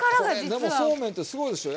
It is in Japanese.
でもそうめんってすごいでしょ。